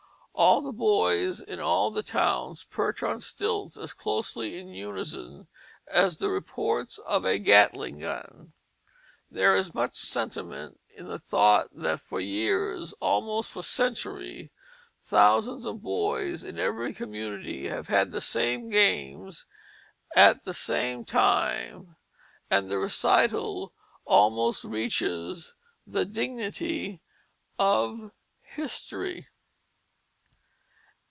All the boys in all the towns perch on stilts as closely in unison as the reports of a Gatling gun. There is much sentiment in the thought that for years, almost for centuries, thousands of boys in every community have had the same games at the same time, and the recital almost reaches the dignity of history.